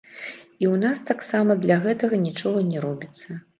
І ў нас таксама для гэтага нічога не робіцца.